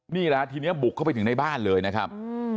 นี่แหละทีนี้บุกเข้าไปถึงในบ้านเลยนะครับ